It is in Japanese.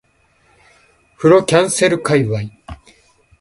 風呂キャンセル界隈